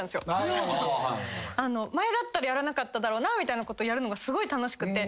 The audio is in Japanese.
前だったらやらなかっただろうなみたいなことやるのがすごい楽しくて。